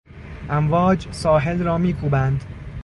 امواج ساحل را میکوبند.